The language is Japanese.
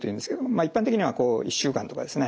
一般的には１週間とかですね